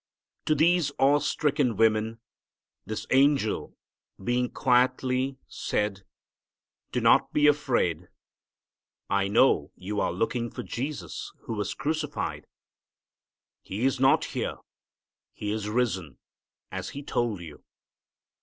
To these awe stricken women this angel being quietly said, "Do not be afraid. I know you are looking for Jesus who was crucified. He is not here. He is risen, as He told you.